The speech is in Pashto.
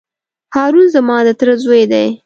هارون زما د تره زوی دی.